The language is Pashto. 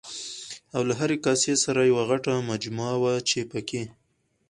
او له هرې کاسې سره یوه غټه مجمه وه چې پکې